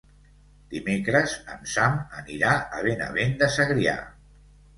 Dimecres en Sam anirà a Benavent de Segrià.